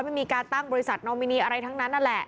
ไม่มีการตั้งบริษัทนอมินีอะไรทั้งนั้นนั่นแหละ